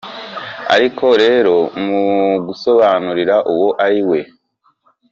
Aliko lero mugusobanura uwo ali we